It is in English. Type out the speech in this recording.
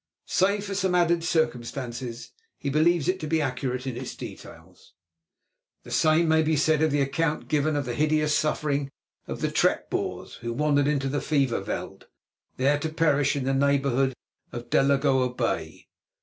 Save for some added circumstances, he believes it to be accurate in its details. The same may be said of the account given of the hideous sufferings of the trek Boers who wandered into the fever veld, there to perish in the neighbourhood of Delagoa Bay.